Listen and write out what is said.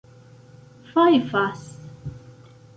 fajfas